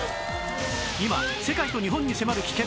今世界と日本に迫る危険！